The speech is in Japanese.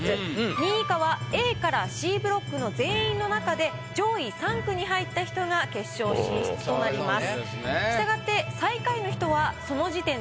２位以下はＡからＣブロックの全員の中で上位３句に入った人が決勝進出となります。